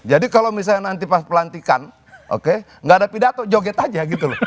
kalau misalnya nanti pas pelantikan oke nggak ada pidato joget aja gitu loh